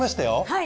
はい。